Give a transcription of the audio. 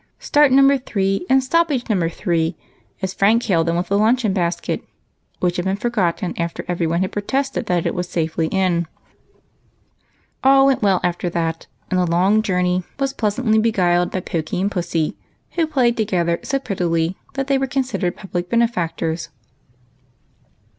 Start number three and stoppage number three, as Frank hailed them with the luncheon basket, which had been forgotten, after every one had iDrotested that it was safely in. All went well after that, and the long journey was pleasantly beguiled by Pokey and Pussy, wlio played together so jDrettily that they were considered public benefactors.